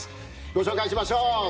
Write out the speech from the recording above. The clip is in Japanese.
ご紹介しましょう。